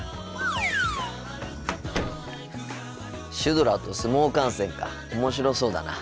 シュドラと相撲観戦か面白そうだな。